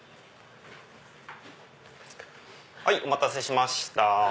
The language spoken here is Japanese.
はいお待たせしました。